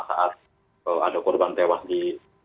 saat ada korban tewas di